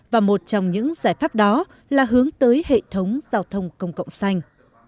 và một trong những giải pháp đó là hướng tới hệ thống giao thông công cộng xanh